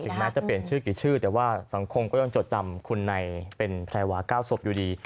แม้จะเปลี่ยนชื่อกี่ชื่อแต่ว่าสังคมก็ยังจดจำคุณในเป็นแพรวา๙ศพอยู่ดี